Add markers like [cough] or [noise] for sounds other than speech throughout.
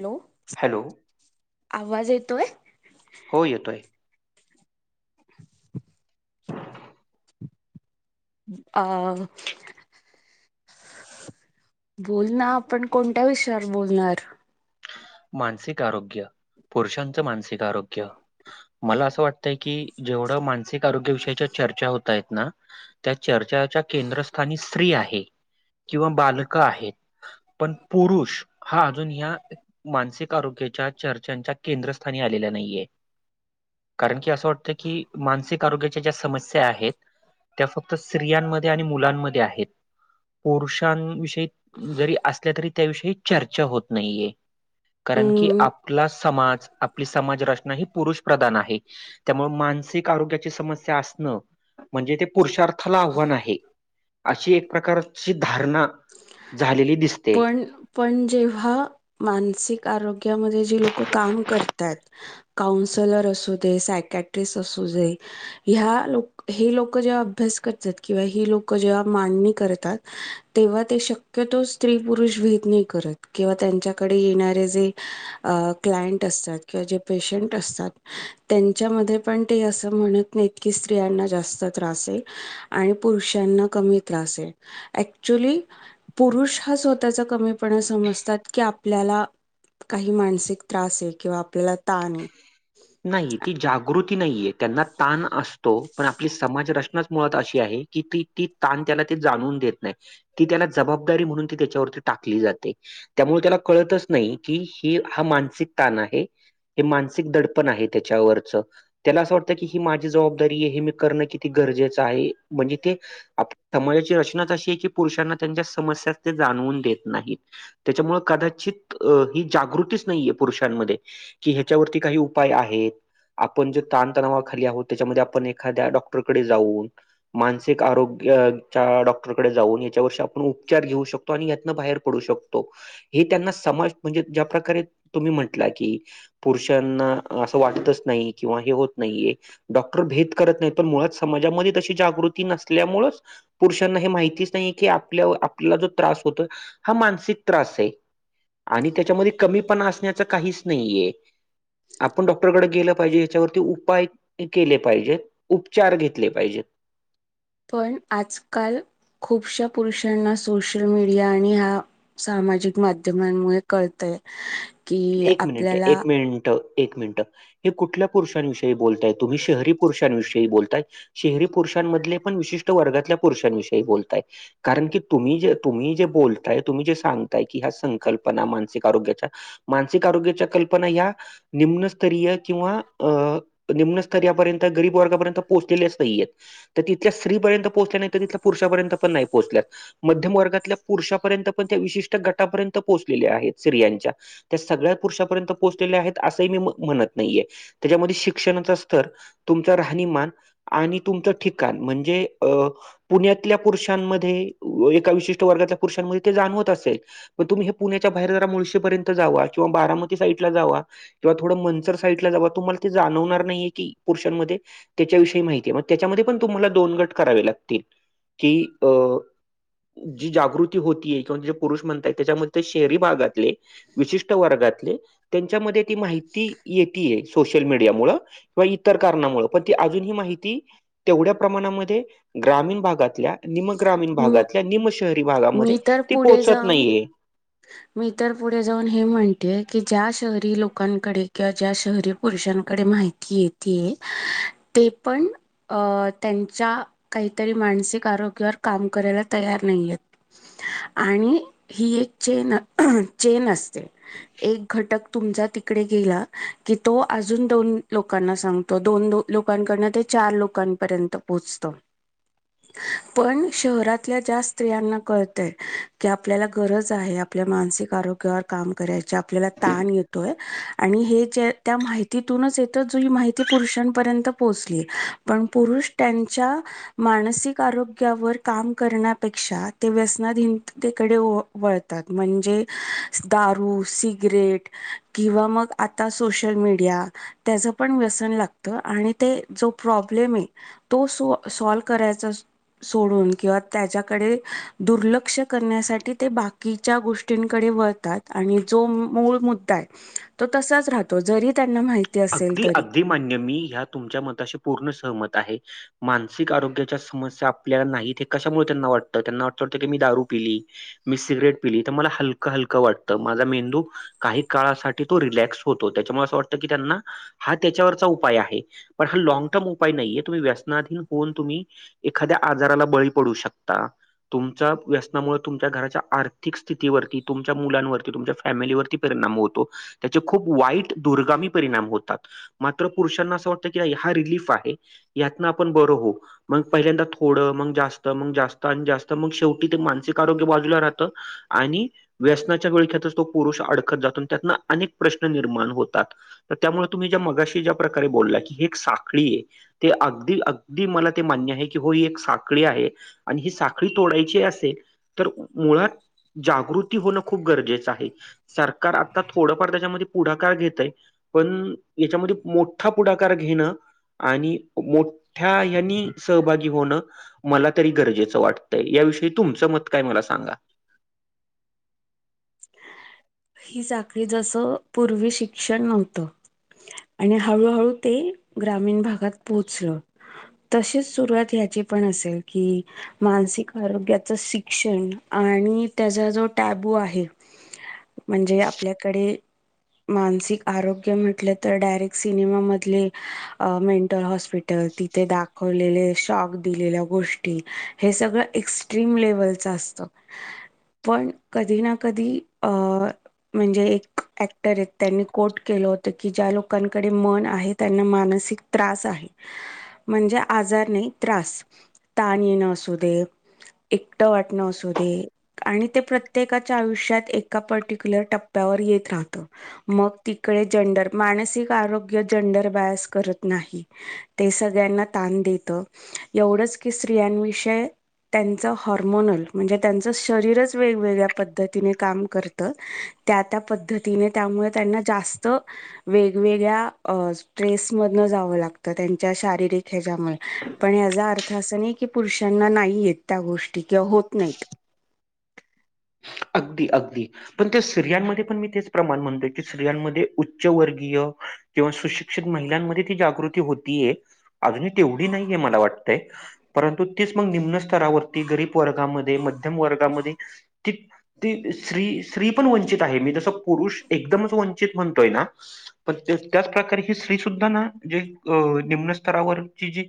Hello! Hello आवाज येतोय हो येतोय. [inaudible] अ. बोल ना आपण कोणत्या विषयावर बोलणार. मानसिक आरोग्य, पुरुषांचं मानसिक आरोग्य. मला असं वाटतय की जेवढं मानसिक आरोग्या विषयाच्या चर्चा होतायेत ना. त्या चर्चाच्या केंद्रस्थानी स्त्री आहे. किंवा बालकं आहेत, पण पुरुष हां अजून ह्या मानसिक आरोग्याच्या चर्चांच्या केंद्रस्थानी आलेलेला नाहीये. कारण की असं वाटतं की, मानसिक आरोग्याच्या ज्या समस्या आहेत त्या फक्तं स्त्रियांमध्ये आणि मुलांमध्ये आहेत. पुरुषांविषयी जरी असल्यां तरी त्याविषयी चर्चा होत नाहीये. कारण की अम् आपला समाज, आपली समाज रचना ही पुरुष प्रंधान आहे. त्यामुळे मानसिक आरोग्यांची समस्या असणं, म्हणजे ते पुरुषार्थांला आव्हान आहे. अशीं एक प्रकारची धारणा झालेली दिस पण पण जेव्हा मानसिक आरोग्यामध्ये जे लोक काम कर तात कॉऊणस्लर असू दे सायक्याट्रीक असू दे ह्यां लोक हें लोकं जेव्हा अभ्यास करतात, किंवा ही लोकं जेव्हा मांडणी करतात तेव्हा ते शक्यतोस स्त्रीं- पुरुष भेद नाही करत, किंवा त्यांच्याकडे येणारे जे अं क्लायंट असतात. किंवा जे पेशंट असतात त्यांच्यामध्ये पण ते अस म्हणत नाहीत की स्त्रियांना जास्त त्रास हाय आणि पुरुषांना कमी त्रास आहे ऍकच्युली पुरुष हा स्वंतःचा कमीपणा समजतात, की आपल्याला काही मानसिक त्रास आहे किंवा आपल्याला ताणं आहे. नाही ती जागृती नाहीये त्यांना ताणं असतो, पण आपली समाज रचनाचं मुळात अशी आहे किती ती ताणं त्याला ते जाणून देत नाही. ती त्याला जबाबदारी म्हणून ती त्याच्यावरती टाकली जाते त्यामुळे त्याला कळतचं नाही की हे हा मानसिक ताणं आहे हे मानसिक दडपण पण आहे त्याच्यावरच त्याला असं वाटतं की, ही माझी जबाबदारी आहे, हे मी करणं किती गरजेचं आहे, म्हणजे ते आप समाजाची रचनाचं अशी आहे की पुरुषांना त्यांच्या समस्या ते जाणवून देत नाहीत त्याच्यामुळे कदाचित अ ही जागृतीचं नाहीये पुरुषांमध्ये कि ह्याच्यावरती काही उ उपाय आहेत. आपण जे ताणतणावा खाली आहोतं त्याच्यामध्ये आपण एखाद्या डॉक्टरकडे जाऊन मानसिकं आरोंग्य च्या डॉक्टरकडे जाऊन याच्या वर्षी आपण उपचार घेऊ शकतो. पण यातंन बाहेर पडू शकतो. हे त्यांना समाज म्हणजे ज्या प्रकारे तुम्ही म्हटला की पुरुषानां असं वाटतचं नाही किंवा हे होतंं नाहीेये डॉक्टर भेद करत नाहीतं पण मुळात समाजामध्ये तशी जागृती नसल्यामुळेचं पुरुषांना हे माहितीचं नाही, की आपल्यावर आपल्याला जो त्रास होतोय, हा मानसिक त्रास आहे. आणि त्याच्यामध्ये कमी पणा असण्याचं काहीचं नाहीये. आपणं डॉक्टरकडे गेलं पाहिजे याच्यावरती उपायं केले पाहिजेत उपचार घेतले पाहिजेत. पण आजकाल खूपश्या पुरुषांना सोशल मीडिया आणि हा सामाजिक माध्यमांमुळे कळतय की एक मिनिटं आपल्याला एकं मिनिटं एक मिनिटं हे कुठल्या पुरुषांविषयी बोलतायं तुम्ही शहरी पुरुषाविषयी बोलताय शहरी पुरुषामधले पण विशिष्ट वर्गातल्या पुरुषाविषयी बोलतयं कारण की तुम्ही जे तुम्ही जे बोलताय तुम्ही जे सांगताय की ह्या संकल्पना मानसिक आरोग्याच्या मानसिक आरोग्याच्या कंल्पना ह्या निम्नस्तरीय किंवा अ निम्नस्तरा यापर्यंत गरीब वर्गापर्यंत पोहोचंलेलेच नाही आहेतं. तर तिथल्या स्त्रीपर्यंत पोचल्या नाही, तर तिथल्या पुरुषापर्यंत पण नाही पोचल्यातं. मध्यम वर्गातल्या पुरुषापर्यंत पण त्या विशिष्ट गटापर्यंत पोहोचलेल्या आहेत स्त्रीयांच्या त्या सगळ्या पुरुषापर्यंत पोहोचलेल्या आहेत. असंही मी म्हणत, नाहीये त्याच्यामध्ये शिक्षणचं स्तंर तुमचं राहणीमानं आणि तुमचं ठिकाणं म्हणजे अं पुण्यातल्या पुरुषांमध्ये एकां विशिष्टं वर्गातल्या पुरुषांमध्ये ते जाणवतं असेल मगं तुम्ही हे पुण्यांच्या बाहेर जरां मुळशीपर्यंत जावा किंवा बारामती साईडलां जावा किंवा थोडं मंचर साईड लां जावं तुम्हाला तेंं जाणवणार नाहीये की पुरषांमध्ये त्याच्याविषयी माहिती आहे मग त्याच्यामध्ये पण तुम्हाला दोन गट करावे लागतील की अ जी जागृती होतीये किंवा जे पुरुष म्हणताय त्याच्यामध्ये शहरी भागातले विशिष्ट वर्गातले त्यांच्यामध्ये ती माहिती येतीये सोशल मीडिया मुळ व इतर कारणामुळ पण ती अजूनही माहिती तेवढ्या प्रमाणामध्ये ग्रामीण भागातल्या निम ग्रामीण हं, भागातल्या निम शहरी भागामध्ये मी तर ते पुढे पोहोचत जाऊन नाहीये. मी तर पुढे जाऊन हे म्हणते की ज्या शहरी लोकांकडे किंवा ज्या शहरी पुरुषांकडे माहिती येतीये ते पण अ त्यांच्या काहीतरी मानसिक आरोग्यावर काम करायला तयार नाहीयेत. आणि हि एक चेनं चेनं असते. एकं घटकं तुमचा तिकडे गेला, की तो अजूनं दोनं लोकांना सांगतो. तो दोन दो लोकांकडन ते चार लोकांपर्यंत पोहोचत पण शहरातल्या ज्या स्त्रियांना कळतंय की आपल्याला गरज आहे आपल्या मानसिक आरोग्यावर काम करायचे आपल्याला तान येतोय आणि हे जे त्या माहितीतूनच येत जुई माहिती पुरुषांपर्यंत पोहोचली आहे पण पुरुष त्यांच्या मानसिक आरोग्यावर काम करण्यापेक्षा ते व्यसनाधीनतेकडे व वळतात म्हणजे दारू, सिगरेट किंवा मग आता सोशल मीडिया. त्याच पण व्यसन लागत आणि ते जो प्रॉब्लेम आहे तो सो सॉल्व करायचास सोडून किंवा त्याच्याकडे दुर्लक्ष करण्यासाठी ते बाकीच्या गोष्टींकडे वळतात. आणि जो मूळ मुद्दा आहे तो तसाच राहतो जरी त्यांना माहि अगदी अगदी मान्य मी ह्या तुमच्या मताशी पूर्ण सहमत आहे. मानसिक आरोग्याच्या समस्या आपल्याला नाहीत हे कशामुळे त्यांना वाटतं त्यांना वाटतं वाटतं की मी दारू पिली मी सिगरेट पिली तर मला हलकं हलकं वाटतं माझा मेंदू काही काळासाठी तो रिलॅक्स होतो त्याच्यामुळे असं वाटतं की त्यांना हा त्याच्यावरचा उपाय आहे पण हा लाँग टर्म उपाय नाहीये तुम्ही व्यसनाधीन होऊन तुम्ही एखाद्या आजाराला बळी पडू शकता. तुमच्या व्यसनामुळे तुमच्या घराच्या आर्थिक स्थितीवरती, तुमच्या मुलांवरती, तुमच्या फॅमिलीवरती परिणाम होतो त्याचे खूप वाईट दुर्गामी परिणाम होत तात मात्र पुरुषांना असं वाटत की हा रिलीफ आहे यातन आपण बर होऊ. मग पहिल्यांदा थोडं मग जास्त मग जास्त आणि जास्त मग शेवटी ते मानसिक आरोग्य बाजूला राहतं आणि. व्यसनाच्या विळख्यातच तो पुरुष अडखत जातो न त्यातन अनेक प्रश्न निर्माण होतात. त्यामुळे तुम्ही ज्या मगाशी ज्या प्रकारे बोलला की ही एक साखळी आहे. ते अगदी अगदी मला ते मान्य आहे की हो ही एक साखळी आहे. आणि ही साखळी तोडायची असेल तर मुळात जागृती होणं खूप गरजेचं आहे सरकार आता थोडंफार त्याच्यामध्ये पुढाकार घेतय. पण याच्यामध्ये मोठा पुढाकार घेणं आणि मोठ्या यांनी सहभागी होणं मला तरी गरजेचं वाटतंय याविषयी तुमचं मत काय मला सांगा? ही साखळी जसं पूर्वी शिक्षण नव्हतं आणि हळूहळू ते ग्रामीण भागात पोहोचल. तशीच सुरुवात ह्याची पण असेल की मानसिक आरोग्याच शिक्षण आणि त्याचा जो टॅबू आहे म्हणजे आपल्याकडे मानसिक आरोग्य म्हटलं तर डायरेक्ट सिनेमा मधले अ मेंटल हॉस्पिटल ति थे दाखवलेले शॉक दिलेल्या गोष्टी हे सगळं एक्स्ट्रीम लेवलचं असतं. पण कधी ना कधी अ म्हणजे एक ॲक्टर हेत त्यांनी कोट केलं होतं की ज्या लोकांकडे मन आहेत त्यांना मानसिक त्रास आहे. म्हणजे आजार नाही त्रास, ताण येणं असू दे एकटं वाटणं असू दे आणि ते प्रत्येकाच्या आयुष्यात एका पर्टिक खुल्या टप्प्यावर येत राहतं मग तिकडे जंडर मानसिक आरोग्य जंडर बायास करत नाही. ते सगळ्यांना ताण देत एवढंच की स्त्रियांविषय त्यांच हॉर्मोनल म्हणजे त्यांचं शरीरच वेगवेगळ्या पद्धतीने काम कर त त्या त्या पद्धतीने त्यामुळे त्यांना जास्त वेगवेगळ्या स्ट्रेस मधन जावं लागतं त्यांच्या शारीरिक ह्याज्यामुळे पण याजा अर्थ असा नाही की पुरुषांना नाही येत त्या गोष्टी किंवा होत नाहीत. अगदी अगदी पण त्या स्त्रियांमध्ये पण मी तेच प्रमाण म्हणतोय की स्त्रियांमध्ये उच्च वर्गीय किंवा सुशिक्षित महिलांमध्ये ती जागृती होतीये अजूनही तेवढी नाहीये मला वाटतय परंतु तीच मग निम्न स्तरावरती गरीब वर्गामध्ये मध्यम वर्गामध्ये ती ती स्त्री स्त्री पण वंचित आहे मी तसं पुरुष एकदमच वंचित म्हणतोय ना पण तेच त्याचप्रकारे ही स्त्री सुुद्धा ना जे अ निम्न स्तरावरची जी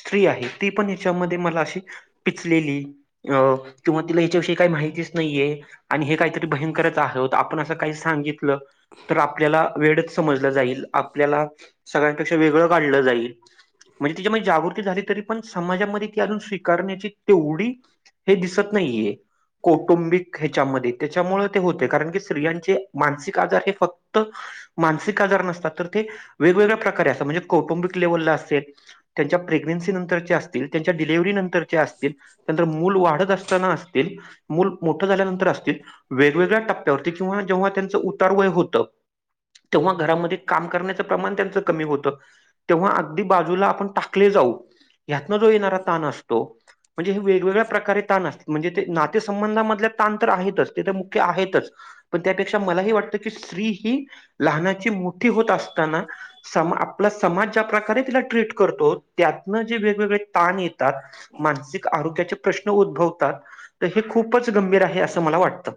स्त्री आहे ती पण याच्यामध्ये मला अशी पिचलेली अ किंवा तिला ह्याच्याविषयी काय माहितीच नाहीये. आणि हे कायतरी भयंकरच अस होत आपण असं काही सांगितलं तर आपल्याला वेडच समजलं जाईल आपल्याला सगळ्यांपेक्षा वेगळं काढलं जाईल म्हणजे तिज्यामध्ये जागृती झाली तरी पण समाजामध्ये ती अजून स्वीकारण्याची तेवढी हे दिसत नाहीये. कौटुंबिक ह्याच्यामध्ये त्याच्यामुळ ते होतय कारण की स्त्रियांचे मानसिक आजार हे फक्त मानसिक आजार नसतात तर ते वेगवेगळ्या प्रकारे अस त्या म्हणजे कौटुंबिक लेवलला असेल त्यांच्या प्रेग्नेंसी नंतरची अस त्यांच्या डिलेव्हरी नंतरच्या असतील नंतर मूल वाढत असता असतील मुलं मो ठ झाल्यानंतर असतील वेगवेगळ्या टप्प्यावरती किंवा जेव्हा त्यांचं उतार वय होतं तेव्हा घरामध्ये काम करण्याचं प्रमाण त्यांचं कमी होतं. तेव्हा अगदी बाजूला आपण टाकले जाऊ ह्यातनं जो येणारा ताण असतो. म्हणजे हे वेगवेगळ्या प्रकारे ताण अस म्हणजे ते नातेसंबंधामधल्या ताण तर आहेतच ते तर मुख्य आहेतच पण त्यापेक्षा मलाही वाटतं की स्त्री ही लहानाची मोठी होत असताना समा आपला समाज ज्या प्रकारे तिला ट्रीट करतो त्यातनं जे वेगवेगळे ताण येतात मानसिक आरोग्याचे प्रश्न उद्भवतात त हे खूपच गंभीर आहे असं मला वाटतं.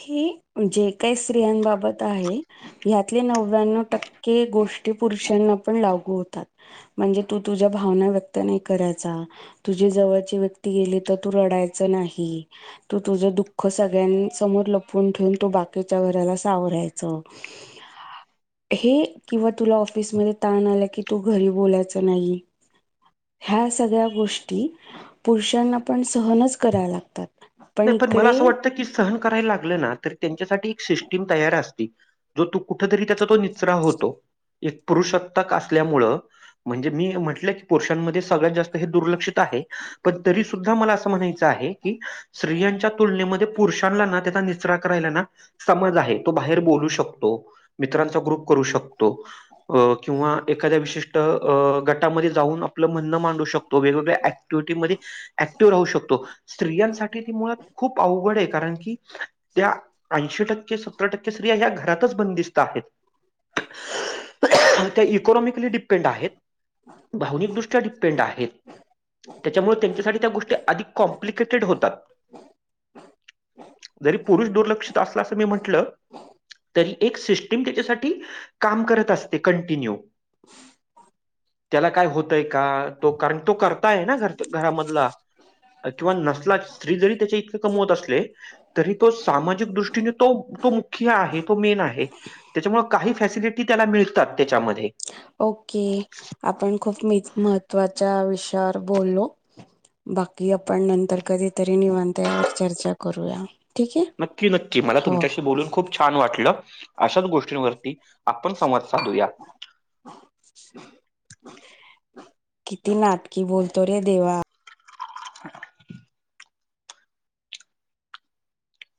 हे जे काय स्त्रियांबाबत आहे यातले नव्याण्णव टक्के गोष्टी पुरुषांना पण लागू होतात. म्हणजे तू तुझ्या भावना व्यक्त नाय कराचा तुझी जवळची व्यक्ती गेली त तू रडायच नाही तू तुझ दुःख सगळ्यां समोर लपून ठेवून तू बाकीच्या घराला सावरायच हे किंवा तुला ऑफिसमध्ये ताण आला की तू घरी बोलाच नाही. ह्या सगळ्या गोष्टी पुरुषांना पण सहनच कराव्या लागतात. नाय पण मला असं वाटतं की सहन करायला लागलं ना तर त्यांच्यासाठी एक सिस्टीम तयार अस ती जो तू कुठतरी त्याचा तो निचरा होतो एक पुरुषांतक असल्यामुळं म्हणजे मी म्हटलं की पुरुषांमध्ये सगळ्यात जास्त हे दुर्लक्षित आहे पण तरी सुुद्धा मला असं म्हणायचं आहे की, स्त्रियांच्या तुलनेमध्ये पुरुषांना ना त्याचा निचरा करायला ना समज आहे तो बाहेर बोलू शकतो. मित्रांचा ग्रुप करू शकतो. अ किंवा एखाद्या विशिष्ट अ गटामध्ये जाऊन आपलं म्हणं मांडू शकतो वेगवेगळ ऍक्टिव्हिटी मध्ये ऍक्टिव्ह राहू शकतो स्त्रियांसाठी मुळात खूप अवघड ए कारण का त्या ऐंशी टक्के टक्के स्त्रिया ह्या घरातच बंदिस्त आहेत. [inaudible] त्या इकॉनॉमिकली डिपेंड आहेत भावनिकदृष्ट्या डिपेंड आहेत. त्याच्यामुळे त्यांच्यासाठी त्या गोष्टी अधिक कॉम्प्लिकेटेड होतात. [inaudible] जरी पुरुष दुर्लक्षित असला असं मी म्हटलं तरी एक सिस्टीम त्याच्यासाठी काम करत असते कंटिन्यू. त्याला काय होतय का तो कारण तो करताय ना घर घरामधला. किंवा नसला स्त्री जरी त्याचे इतके कमीवत असले तरी तो सामाजिक दृष्टीने तो तो मुख्य आहे तो मेन आहे. त्याच्या मूळ काही फॅसिलिटी त्याला मिळतात त्याच्यामध्ये. ओके आपण खूप महत्त्वाच्या विषयावर बोललो. बाकी आपण नंतर कधीतरी निवांत यावर चर्चा करूया. ठीक आहे नक्की नक्की मला हो तुमच्याशी बोलून खूप छान वाटलं अशाच गोष्टींवरती आपण संवाद साधूया [inaudible] किती नाटकी बोलतो रे देवा. [inaudible]